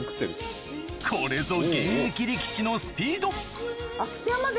これぞ現役力士のスピード明瀬山関